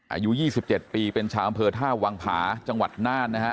อายุ๒๗ปีเป็นชาวอำเภอท่าวังผาจังหวัดน่านนะฮะ